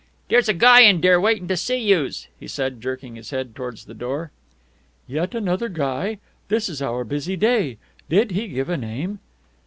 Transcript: "Dere's a guy in dere waitin' to see youse," he said, jerking his head towards the door. "Yet another guy? This is our busy day. Did he give a name?"